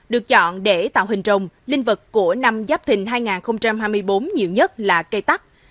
được chọn để tạo hình rồng linh vật của năm giáp thình hai nghìn hai mươi bốn nhiều nhất là cây tắt